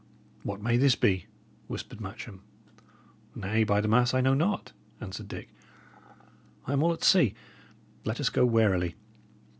"What may this be?" whispered Matcham. "Nay, by the mass, I know not," answered Dick. "I am all at sea. Let us go warily."